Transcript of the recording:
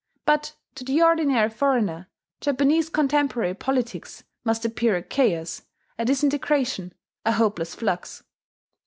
But to the ordinary foreigner, Japanese contemporary politics must appear a chaos, a disintegration, a hopeless flux.